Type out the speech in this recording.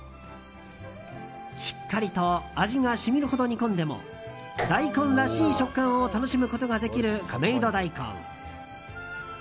しっかりと味が染みるほど煮込んでも大根らしい食感を楽しむことができる亀戸大根。